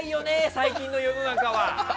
最近の世の中は！